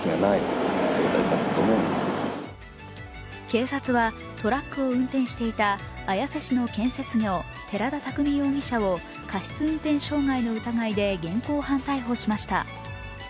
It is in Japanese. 警察はトラックを運転していた綾瀬市の建設業、寺田拓海容疑者を過失運転傷害の疑いで現行犯逮捕しました。